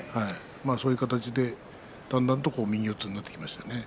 そういう形で、だんだんと右四つになっていきましたね。